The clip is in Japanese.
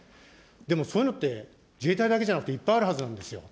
でもそういうのって自衛隊だけじゃなくて、いっぱいあるはずなんですよ。